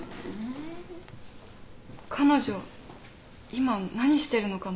彼女今何してるのかな？